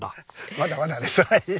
まだまだですはい。